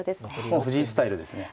もう藤井スタイルですね。